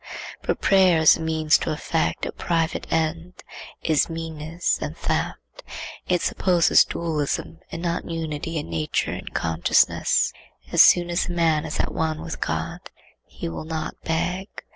But prayer as a means to effect a private end is meanness and theft. It supposes dualism and not unity in nature and consciousness. As soon as the man is at one with God, he will not beg.